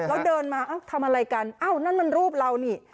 แล้วเดินมาทำอะไรกันนั่นมันรูปเรานี่